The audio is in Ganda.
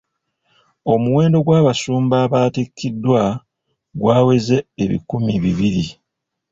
Omuwendo gw'abasumba abaatikiddwa gwaweze ebikumi bibiri.